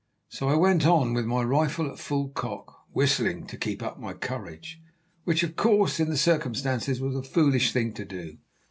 So I went on with my rifle at full cock, whistling to keep up my courage, which, of course, in the circumstances was a foolish thing to do.